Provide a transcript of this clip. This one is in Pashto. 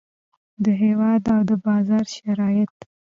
د هیواد او د بازار شرایط.